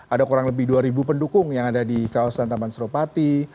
ada kurang lebih dua pendukung yang ada di kawasan taman suropati